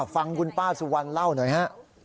ฟังคุณป้าสุวรรณเล่าหน่อยฮะ